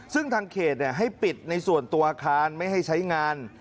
ซึ่งทางเขตให้ปิดในส่วนตัวอาคารไม่ให้ใช้งาน